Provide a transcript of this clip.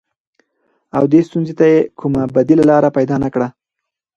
او دې ستونزې ته يې کومه بديله لاره پيدا نه کړه.